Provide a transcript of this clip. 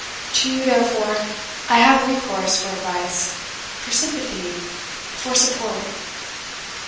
To you, therefore, I have recourse for advice, for sympathy, for support."